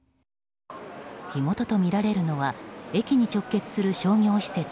火元とみられるのは駅に直結する商業施設